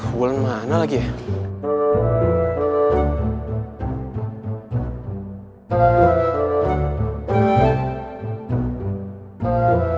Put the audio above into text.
kau tunggu sini oman ya